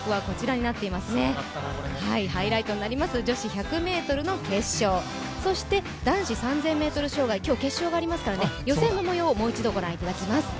ハイライトになります、女子１００ｍの決勝、そして男子３０００ｍ障害、今日決勝がありますから予選のもようをもう一度ご覧いただきます。